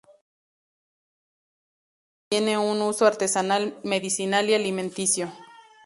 Es una especie que tiene un uso artesanal, medicinal y alimenticio.